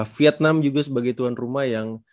vietnam juga sebagai tuan rumah yang